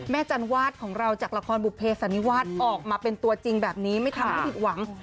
จันวาดของเราจากละครบุเภสันนิวาสออกมาเป็นตัวจริงแบบนี้ไม่ทำให้ผิดหวัง